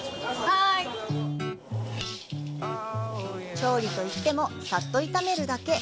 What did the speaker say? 調理といっても、さっと炒めるだけ。